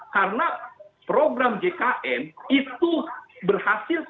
karena program gkn itu berhasil